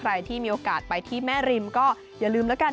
ใครที่มีโอกาสไปที่แม่ริมก็อย่าลืมแล้วกัน